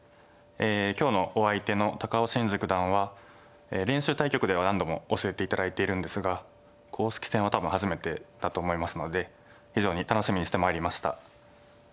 今日のお相手の高尾紳路九段は練習対局では何度も教えて頂いているんですが公式戦は多分初めてだと思いますので非常に楽しみにしてまいりました。